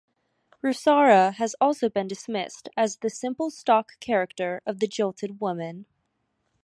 Rosaura has also been dismissed as the simple stock character of the jilted woman.